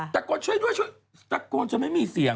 ตะโกนกันถึงไม่มีเสียง